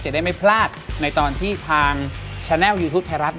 ได้ไม่พลาดในตอนที่ทางแชนแลลยูทูปไทยรัฐ